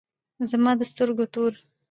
زما د سترگو تور